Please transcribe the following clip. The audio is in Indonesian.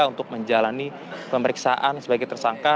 untuk menjalani pemeriksaan sebagai tersangka